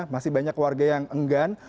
masih banyak warga yang enggan